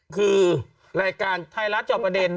กล้องกว้างอย่างเดียว